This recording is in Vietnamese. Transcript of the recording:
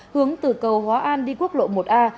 hướng từ cầu hóa an đi quốc lộ một a